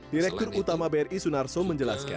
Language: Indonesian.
direktur utama bri sunar soe menjelaskan